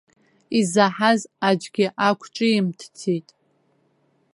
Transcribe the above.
Изаҳаз аӡәгьы ақәҿимҭӡеит.